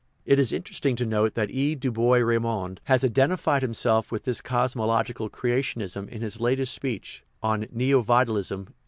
It is interesting to note that E. du Bois Reymond has identified himself with this cosmological creationism in his latest speech (on " Neo vitalism," 1894).